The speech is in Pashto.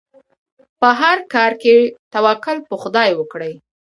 په هر کار کې توکل په خدای وکړئ.